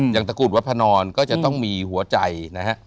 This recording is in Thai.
อย่างตะกุดวัฒนอนก็จะต้องมีหัวใจนะฮะ